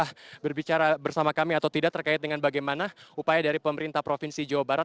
apakah bersama kami atau tidak terkait dengan bagaimana upaya dari pemerintah provinsi jawa barat